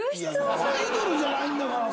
アイドルじゃないんだからさ。